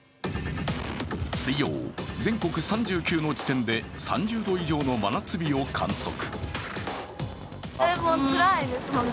水曜、全国３９の地点で３０度以上の真夏日を観測。